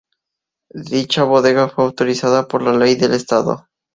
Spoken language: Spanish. Dicha bodega fue autorizada por la ley del estado.